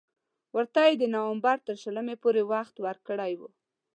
ورته یې د نومبر تر شلمې پورې وخت ورکړی وو.